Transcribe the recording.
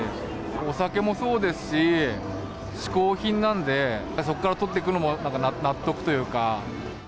お酒もそうですし、しこう品なんで、そこから取っていくのもなんか納得というか。